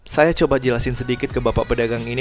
saya coba jelasin sedikit ke bapak pedagang ini